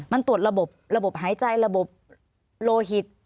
มันตรวจระบบระบบหายใจระบบโลหิต